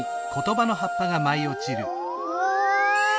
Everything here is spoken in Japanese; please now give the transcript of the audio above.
うわ！